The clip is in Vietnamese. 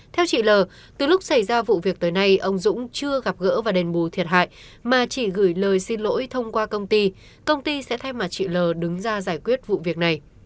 theo chị l từ lúc xảy ra vụ việc tới nay ông dũng chưa gặp gỡ và đền bù thiệt hại mà chỉ gửi lời xin lỗi thông qua công ty công ty sẽ thay mặt chị l đứng ra giải quyết vụ việc này